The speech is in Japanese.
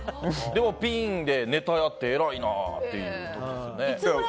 でも、ピンでネタやって偉いなっていう時ですね。